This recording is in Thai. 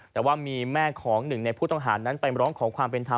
แต่ว่ามีแม่ของหนึ่งในผู้ต้องหานั้นไปร้องขอความเป็นธรรม